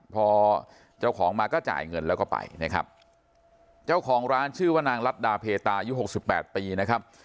พอเจ้าของมาก็จ่ายเงินแล้วก็ไปนะครับเจ้าของร้านชื่อว่านางรัฐดาเพตายุหกสิบแปดปีนะครับ